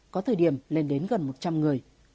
có thời điểm lên đến gần một trăm linh người